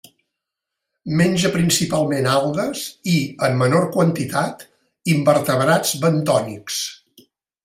Menja principalment algues i, en menor quantitat, invertebrats bentònics.